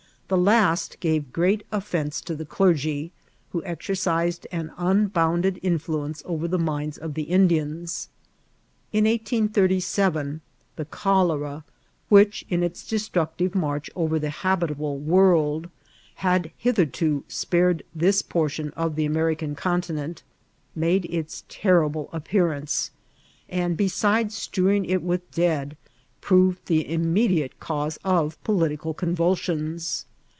The last gave great offence to the clergy, who exercised an unbounded influence over the minds of the Indians* In 1887 the cholera, which, in its destructive march over the habitable world, had hitherto spared this por tion of the American continent, made its terrible ap pearance, and, besides streveing it vrith dead, proved the immediate cause of political convulsions.